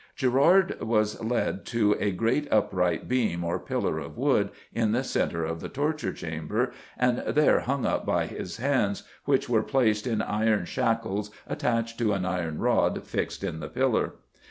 Gerard was led to "a great upright beam, or pillar of wood" in the centre of the torture chamber, and there hung up by his hands, which were placed in iron shackles attached to an iron rod fixed in the pillar.